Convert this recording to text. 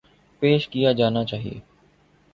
ﭘﯿﺶ ﮐﯿﺎ ﺟﺎﻧﺎ ﭼﺎﮬﯿﮯ